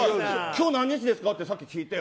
今日何日ですかさっき聞いて。